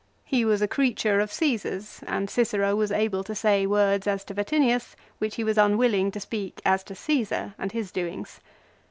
He was a creature of Caesar's, and Cicero was able to say words as to Vatinius which he was unwilling to speak as to Caesar arid his doings.